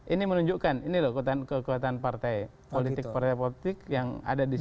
ini menunjukkan ini loh kekuatan partai politik partai politik yang ada di situ